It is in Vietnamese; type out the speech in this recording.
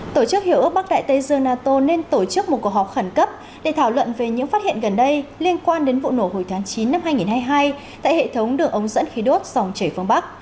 tổ chức hiểu ước bắc đại tây dương nato nên tổ chức một cuộc họp khẩn cấp để thảo luận về những phát hiện gần đây liên quan đến vụ nổ hồi tháng chín năm hai nghìn hai mươi hai tại hệ thống đường ống dẫn khí đốt dòng chảy phương bắc